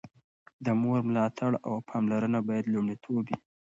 د مور ملاتړ او پاملرنه باید لومړیتوب وي.